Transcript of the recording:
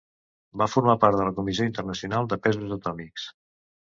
Va formar part de la Comissió Internacional de Pesos Atòmics.